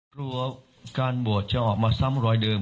กลัวการบวชจะออกมาซ้ำรอยเดิม